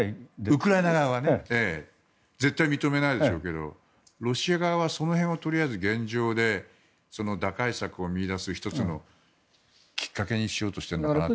ウクライナ側は絶対認めないでしょうけどロシア側はとりあえず現状で打開策を見いだす１つのきっかけにしようとしてるのかなって。